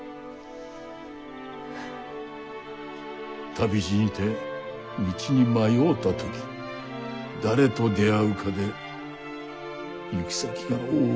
旅路にて道に迷うた時誰と出会うかで行き先が大きく変わる。